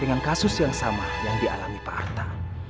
dengan kasus yang sama yang dialami pak arta